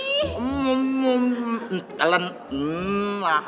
apaan sih bobi luar banget ah